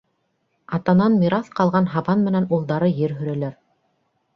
Атанан мираҫ ҡалған һабан менән улдары ер һөрәләр.